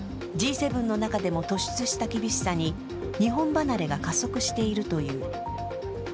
Ｇ７の中でも突出した厳しさに、日本離れが加速しているという。